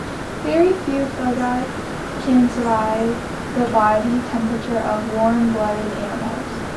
Very few fungi can survive the body temperatures of warm-blooded animals.